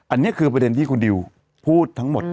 อันนี้คือประเด็นที่คุณดิวพูดทั้งหมด